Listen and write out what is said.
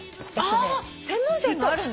専門店があるんだ。